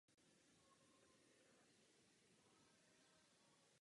Ghana je součástí Commonwealthu.